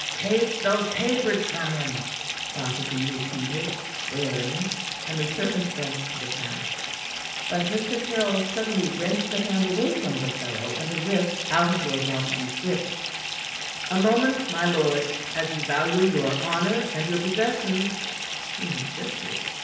"Take those papers from him," Rotherby repeated, swearing; and the servant bent to the task. But Mr. Caryll suddenly wrenched the hand away from the fellow and the wrist out of Lord Rotherby's grip. "A moment, my lord, as you value your honor and your possessions!" he insisted.